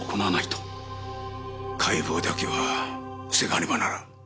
解剖だけは防がねばならん。